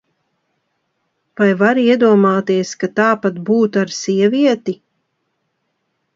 Vai vari iedomāties, ka tāpat būtu ar sievieti?